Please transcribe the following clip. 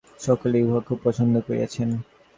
সকলে উহা খুব পছন্দ করিয়াছেন।